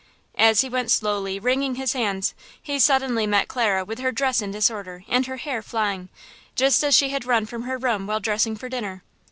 As he went slowly, wringing his hands, he suddenly met Clara with her dress in disorder and her hair flying, just as she had run from her room while dressing for dinner.